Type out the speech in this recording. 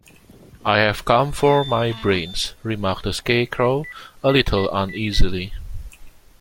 "I have come for my brains," remarked the Scarecrow, a little uneasily.